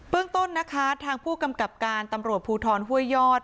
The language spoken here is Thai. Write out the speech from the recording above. ต้นนะคะทางผู้กำกับการตำรวจภูทรห้วยยอด